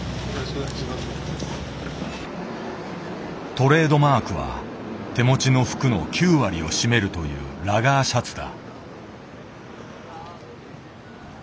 トレードマークは手持ちの服の９割を占めるというラガーシャツだ。